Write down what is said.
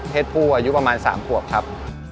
ผู้อายุประมาณ๓ขวบครับ